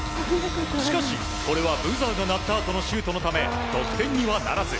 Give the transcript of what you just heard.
しかし、これはブザーが鳴ったあとのシュートのため得点にはならず。